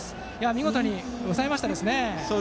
見事に抑えましたね。